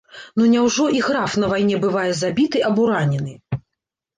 Ну няўжо і граф на вайне бывае забіты або ранены?